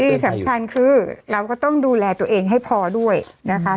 ที่สำคัญคือเราก็ต้องดูแลตัวเองให้พอด้วยนะคะ